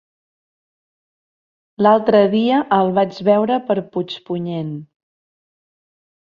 L'altre dia el vaig veure per Puigpunyent.